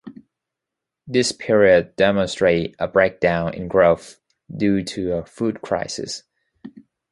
This period demonstrates a breakdown in growth due to a food crisis.